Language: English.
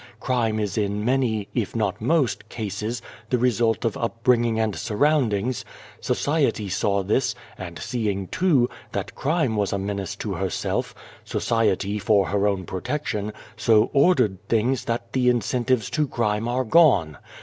Crime is in many, if not most, cases, the result of upbringing and surroundings. Society saw this, and, seeing, too, that crime was a menace to herself society, for her own protection, so ordered things that the incentives to crime are gone.